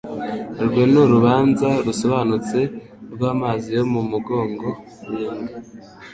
Urwo ni urubanza rusobanutse rw "amazi yo mu mugongo w'imbwa".